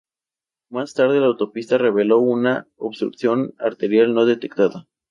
Más tarde la autopsia reveló una obstrucción arterial no detectada.